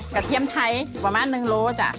กระเทียมไทยประมาณ๑โลกรัมจ๊ะ